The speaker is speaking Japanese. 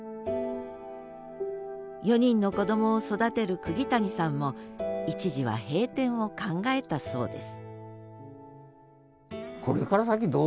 ４人の子どもを育てる釘谷さんも一時は閉店を考えたそうです